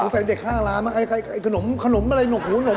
ใช่ไปล่ะเจ๊ไปฝึกเล่นกลก่อน